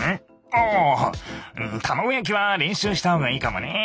あ卵焼きは練習したほうがいいかもね。